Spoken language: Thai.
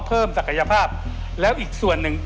ศักยภาพแล้วอีกส่วนหนึ่ง